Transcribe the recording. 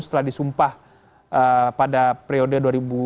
setelah disumpah pada periode dua ribu empat belas dua ribu sembilan belas